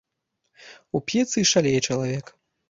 Уп'ецца і шалее чалавек.